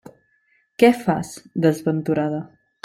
Què fas, desventurada?